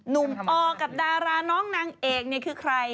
หนุ่มอกับดาราน้องนางเอกเนี่ยคือใคร